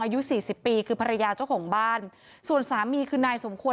อายุสี่สิบปีคือภรรยาเจ้าของบ้านส่วนสามีคือนายสมควร